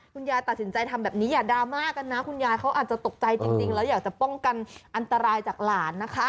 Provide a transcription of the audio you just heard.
คุณยายตัดสินใจทำแบบนี้อย่าดราม่ากันนะคุณยายเขาอาจจะตกใจจริงแล้วอยากจะป้องกันอันตรายจากหลานนะคะ